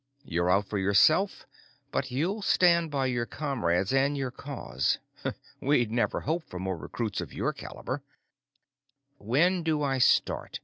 You're out for yourself, but you'll stand by your comrades and your cause. We'd never hoped for more recruits of your caliber." "When do I start?"